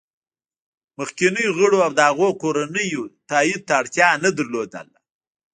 مخکینیو غړو او د هغوی کورنیو تایید ته اړتیا نه لرله